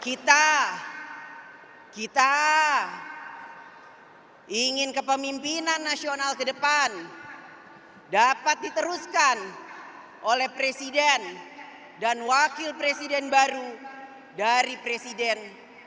kita kita ingin kepemimpinan nasional ke depan dapat diteruskan oleh presiden dan wakil presiden baru dari presiden